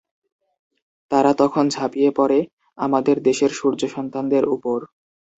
তারা তখন ঝাপিয়ে পড়ে আমাদের দেশের সূর্যসন্তানদের উপর।